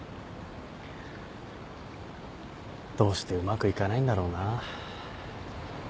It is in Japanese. どうしてうまくいかないんだろうなぁ。